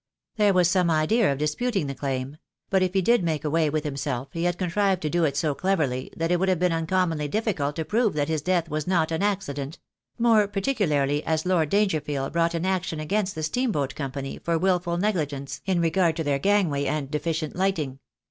There was some idea of disputing the claim; but if he did make away with himself he had contrived to do it so cleverly that it would have been uncommonly difficult to prove that his death was not an accident — more particularly as Lord Dangerneld brought an action against the steamboat com pany for wilful negligence in regard to their gangway and deficient lighting.